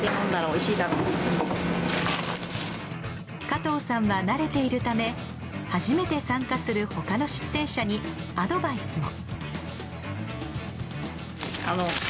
加藤さんは慣れているため初めて参加する他の出店者にアドバイスも。